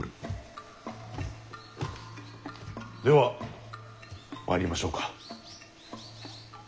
では参りましょうか。